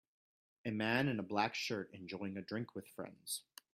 A man in a black shirt enjoying a drink with friends